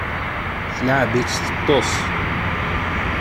Tleɛɛeb-itt teṭṭes.